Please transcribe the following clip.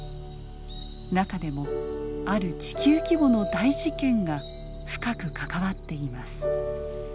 中でもある地球規模の大事件が深く関わっています。